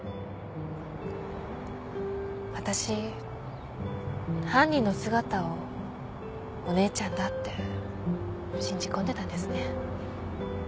わたし犯人の姿をお姉ちゃんだって信じ込んでたんですね。